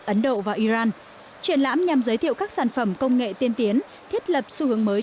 ấn độ và iran triển lãm nhằm giới thiệu các sản phẩm công nghệ tiên tiến thiết lập xu hướng mới